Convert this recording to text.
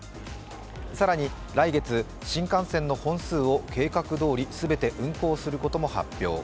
更に来月、新幹線の本数を計画通り全て運行することも発表。